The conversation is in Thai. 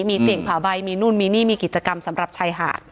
มีติ่งผาใบมีนู่นมีนี่มีกิจกรรมสำหรับชายหาด